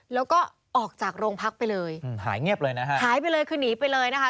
แล้วก็ออกจากโรงพักไปเลยอืมหายเงียบเลยนะฮะหายไปเลยคือหนีไปเลยนะคะ